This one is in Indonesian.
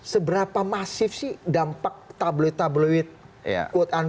seberapa masif sih dampak tabloid tabloid